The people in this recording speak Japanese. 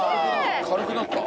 軽くなった。